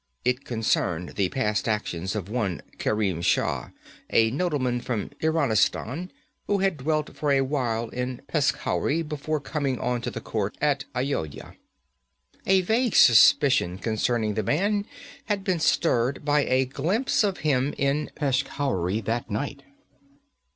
It concerned the past actions of one Kerim Shah, a nobleman from Iranistan, who had dwelt for a while in Peshkhauri before coming on to the court at Ayodhya. A vague suspicion concerning the man had been stirred by a glimpse of him in Peshkhauri that night.